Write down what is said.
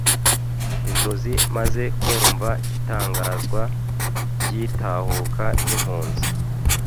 inzozi maze kumva itangazwa ry'itahuka ry'impunzi